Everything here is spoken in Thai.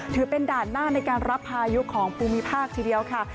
ถือเป็นด่านหน้าในการรับพายุของภูมิภาคทีเดียวค่ะ